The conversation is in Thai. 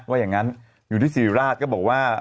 ว่าอย่างนั้นอยู่ที่สิริราชก็บอกว่า